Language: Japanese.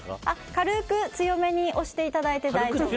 軽く強めに押していただいて大丈夫。